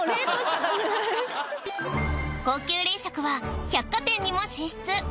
高級冷食は百貨店にも進出